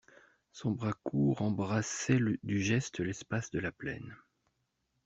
Son bras court embrassait du geste l'espace de la plaine.